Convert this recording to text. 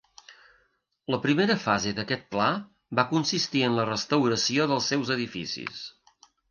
La primera fase d'aquest pla va consistir en la restauració dels seus edificis.